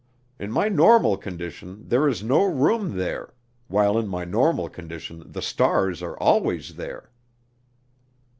In my normal condition there is no room there, while in my normal condition the stars are always there."